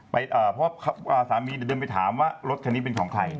เพราะว่าสามีเดินไปถามว่ารถคันนี้เป็นของใคร